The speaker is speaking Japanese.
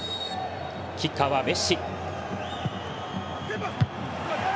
キッカーはメッシ。